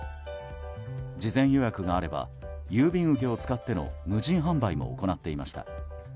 事前予約があれば郵便受けを使っての無人販売も行っていました。